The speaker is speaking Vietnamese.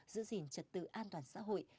giữ gìn trật tự an toàn xã hội